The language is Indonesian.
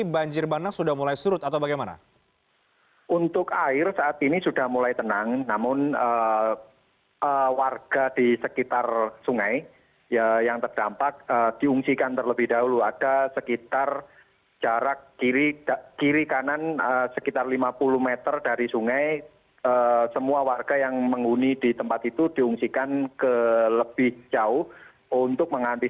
banjir bandang ini diakibatkan oleh hujan dengan intensitas tinggi yang mengguyur kota batu